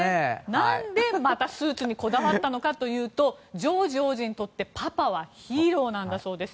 なんでスーツにこだわったかというとジョージ王子にとってパパはヒーローなんだそうです。